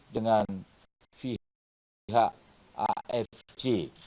dengan pihak afg